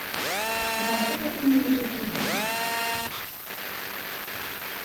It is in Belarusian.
За што ты атрымліваеш такія грошы?